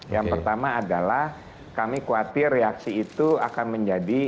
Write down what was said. yang pertama adalah kami khawatir reaksi itu akan menjadi